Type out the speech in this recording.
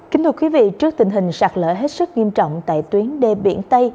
kính thưa quý vị trước tình hình sạt lỡ hết sức nghiêm trọng tại tuyến đê biển tây